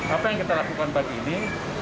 apa yang kita lakukan pagi ini